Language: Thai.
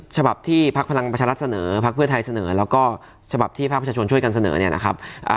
ฉบับที่พพรรเสนอพพทเสนอแล้วก็ฉบับที่พพชชกันเสนอนะครับ